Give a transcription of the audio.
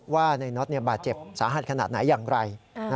ว่านายน็อตบาดเจ็บสาหัสขนาดไหนอย่างไร